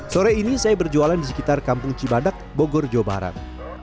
sore ini saya berjualan di sekitar kampung cibadak bogor jawa barat